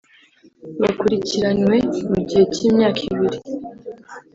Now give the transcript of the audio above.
bakurikiranwe mu gihe cy’imyaka ibiri